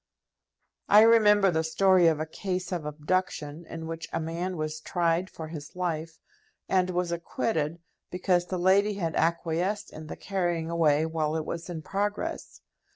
I remember the story of a case of abduction in which a man was tried for his life, and was acquitted, because the lady had acquiesced in the carrying away while it was in progress.